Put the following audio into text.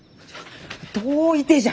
どういてじゃ！？